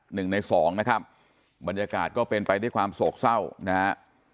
หนึ่งในสองนะครับบรรยากาศก็เป็นไปด้วยความโศกเศร้านะฮะ